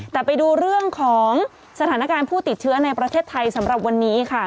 แต่ไปดูเรื่องของสถานการณ์ผู้ติดเชื้อในประเทศไทยสำหรับวันนี้ค่ะ